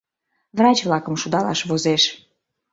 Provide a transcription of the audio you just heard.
Врач-влакым шудалаш возеш.